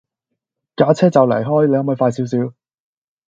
架車就嚟開，你可唔可以快少少